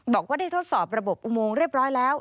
บอกว่าได้ทดสอบระบบอุโมงเรียบร้อยแล้ว